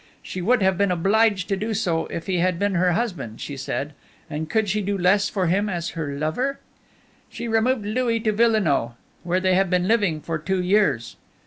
She would have been obliged to do so if he had been her husband, she said, and could she do less for him as her lover? "She removed Louis to Villenoix, where they have been living for two years."